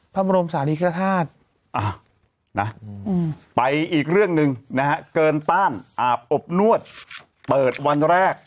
พระบรมศาลีกธาตุไปอีกเรื่องหนึ่งนะฮะเกินต้านอาบอบนวดเปิดวันแรก